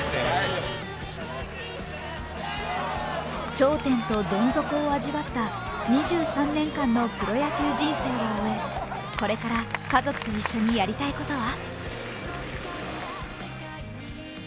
頂点とどん底を味わった２３年間のプロ野球人生を終え、これから家族と一緒にやりたいことは？